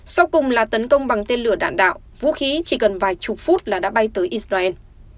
sau cùng là tấn công bằng tên lửa đạn đạo vũ khí chỉ cần vài chục phút là đã bay tới israel